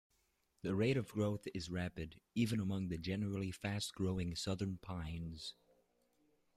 The rate of growth is rapid, even among the generally fast-growing southern pines.